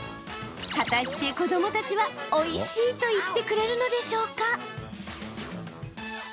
果たして、子どもたちはおいしいと言ってくれるのでしょうか？